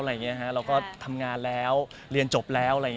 เราก็ทำงานแล้วเรียนจบแล้ว